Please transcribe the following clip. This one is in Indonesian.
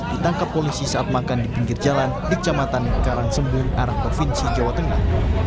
ditangkap polisi saat makan di pinggir jalan di camatan karangsembunyi arah provinsi jawa tengah